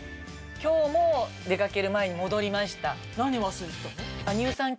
今日も出かける前に戻りました。